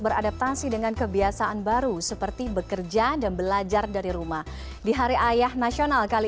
beradaptasi dengan kebiasaan baru seperti bekerja dan belajar dari rumah di hari ayah nasional kali